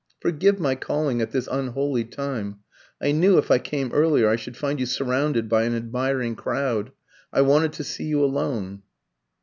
"Forgive my calling at this unholy time. I knew if I came earlier I should find you surrounded by an admiring crowd. I wanted to see you alone."